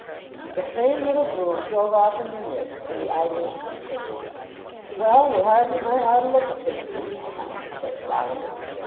The plain little brougham drove off in the mist, and the idlers dispersed. "Well, we hardly know how to look at things in these times!" said Solomon.